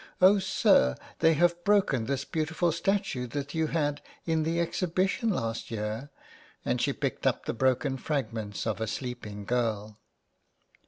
Oh, sir, they have broken this beautiful statue that you had in the Exhibition last year," and she picked up the broken fragments of a sleeping girl.